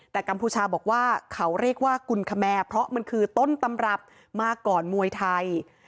แต่กัมพูชาบอกว่าเขาเรียกว่ากุลคแมร์เพราะมันคือต้นตำรับมาก่อนมวยไทย